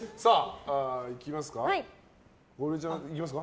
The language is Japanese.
いきますか。